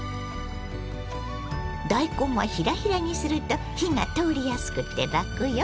大根はひらひらにすると火が通りやすくてラクよ。